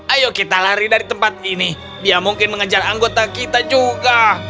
ayo kita lari dari tempat ini dia mungkin mengejar anggota kita juga